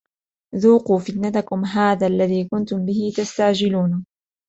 ذوقوا فتنتكم هذا الذي كنتم به تستعجلون